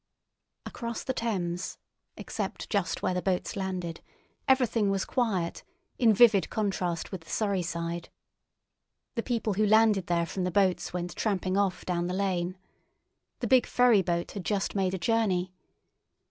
Across the Thames, except just where the boats landed, everything was quiet, in vivid contrast with the Surrey side. The people who landed there from the boats went tramping off down the lane. The big ferryboat had just made a journey.